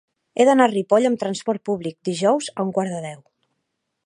He d'anar a Ripoll amb trasport públic dijous a un quart de deu.